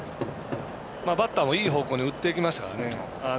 バッターもいい方向に打っていきましたからね。